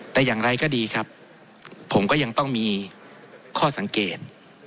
แต่อย่างไรก็ดีครับผมก็ยังต้องมีข้อสังเกต